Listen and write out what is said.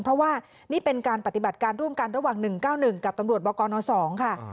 เพราะว่านี่เป็นการปฏิบัติการร่วมกันระหว่าง๑๙๑กับตำรวจบกน๒ค่ะ